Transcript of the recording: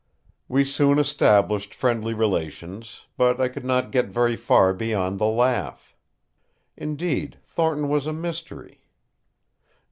We soon established friendly relations, but I could not get very far beyond the laugh. Indeed, Thornton was a mystery.